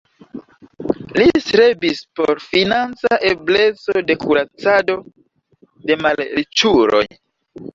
Li strebis por financa ebleco de kuracado de malriĉuloj.